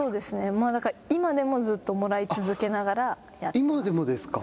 もうだから、今でもずっともらい今でもですか。